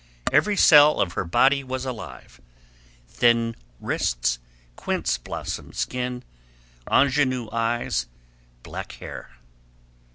Every cell of her body was alive thin wrists, quince blossom skin, ingenue eyes, black hair.